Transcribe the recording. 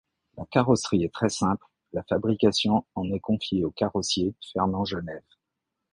La carrosserie est très simple, la fabrication en est confiée au carrossier Fernand Genève.